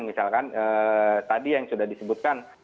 misalkan tadi yang sudah disebutkan